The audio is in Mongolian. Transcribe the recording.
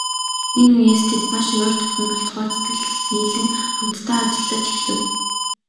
Энэ үеэс тэд маш ойр дотно болцгоож, сэтгэл нийлэн хамтдаа ажиллаж эхлэв.